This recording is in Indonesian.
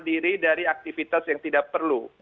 diri dari aktivitas yang tidak perlu